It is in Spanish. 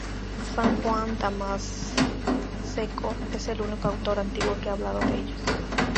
San Juan Damasceno es el único autor antiguo que ha hablado de ellos.